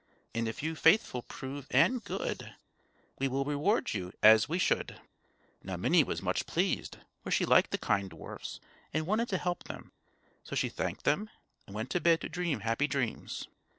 And if you faithful prove, and good, We will reward you as we should_." Now Minnie was much pleased, for she liked the kind dwarfs, and wanted to help them, so she thanked them, and went to bed to dream happy dreams.